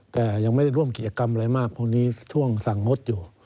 แต่ยังไม่ได้ร่วมกิจกรรมอะไรมากพรุ่งนี้ช่วงสั่งงดอยู่